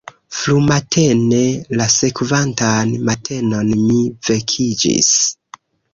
Frumatene la sekvantan matenon mi vekiĝis.